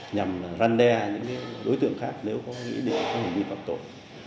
nhằm giam đe những đối tượng khác nếu có nghĩa đến hình vi phạm tội